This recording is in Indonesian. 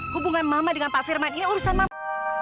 hubungan mama dengan pak firman ini urusan mama